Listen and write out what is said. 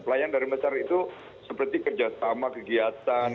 pelayanan dari masyarakat itu seperti kerja sama kegiatan